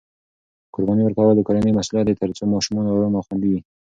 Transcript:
قرباني ورکول د کورنۍ مسؤلیت دی ترڅو ماشومان ارام او خوندي وي.